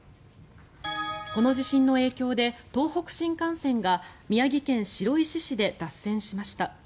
この地震の影響で東北新幹線が宮城県白石市で脱線しました。